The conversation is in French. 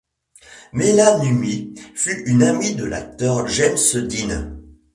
Maila Numi fut une amie de l'acteur James Dean.